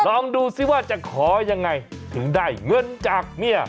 ลองดูซิว่าจะขอยังไงถึงได้เงินจากเมีย